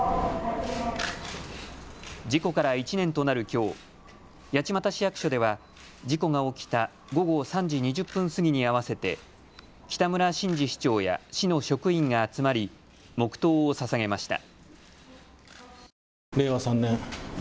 事故から１年となるきょう八街市役所では事故が起きた午後３時２０分過ぎに合わせて北村新司市長や市の職員が集まり黙とうをささげました。